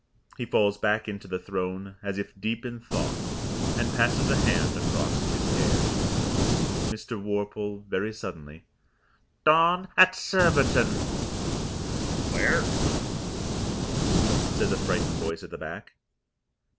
He falls back into the throne as if deep in thought, and passes a hand across his hair. Mr. Worple (very suddenly) "Dawn at Surbiton." "Where?" says a frightened voice at the back.